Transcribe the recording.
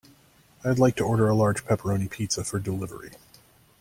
I'd like to order a large pepperoni pizza for delivery.